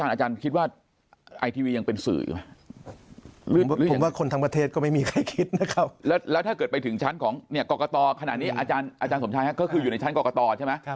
อาจารย์สมชายฮะก็คืออยู่ในชั้นกรกตใช่ไหม